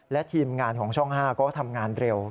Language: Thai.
และทีมงานของช่อง๕ก็ทำงานเร็ว